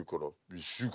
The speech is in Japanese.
１週間？